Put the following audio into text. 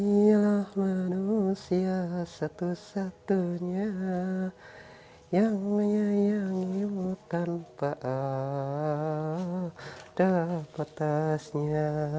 dialah manusia satu satunya yang menyayangi tanpa ada potasnya